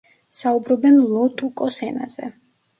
საუბრობენ ლოტუკოს ენაზე.